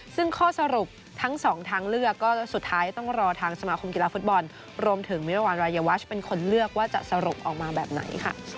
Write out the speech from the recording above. ซึ่งข้อสรุปทั้งสองทางเลือกก็สุดท้ายต้องรอทางสมาคมกีฬาฟุตบอลรวมถึงมิรวรรณรายวัชเป็นคนเลือกว่าจะสรุปออกมาแบบไหนค่ะ